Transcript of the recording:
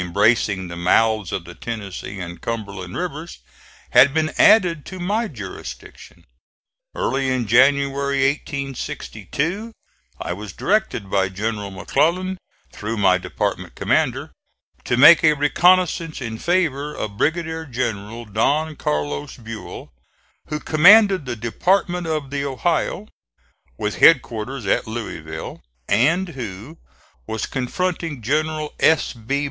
Smith, embracing the mouths of the Tennessee and Cumberland rivers, had been added to my jurisdiction. Early in January, 1862, I was directed by General McClellan, through my department commander, to make a reconnoissance in favor of Brigadier General Don Carlos Buell, who commanded the Department of the Ohio, with headquarters at Louisville, and who was confronting General S. B.